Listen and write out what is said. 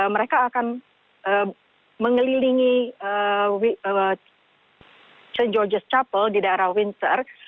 mereka akan mengelilingi st george's chapel di daerah windsor